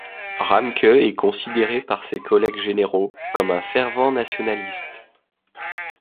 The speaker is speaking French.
Ramcke est considéré par ses collègues généraux comme un fervent nationaliste.